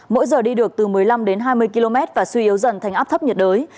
mỗi giờ đi được từ một mươi năm đến hai mươi km và suy yếu dần thành áp thấp nhiệt đới